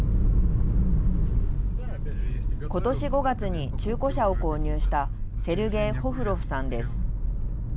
今年５月に中古車を購入したセルゲイ・ホフロフさんです。